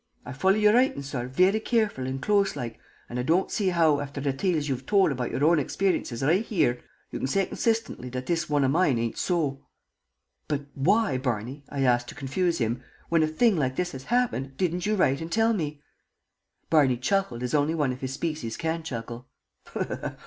I've follyd your writin', sorr, very careful and close loike; an I don't see how, afther the tales you've told about your own experiences right here, you can say consishtently that this wan o' mine ain't so!" "But why, Barney," I asked, to confuse him, "when a thing like this happened, didn't you write and tell me?" Barney chuckled as only one of his species can chuckle.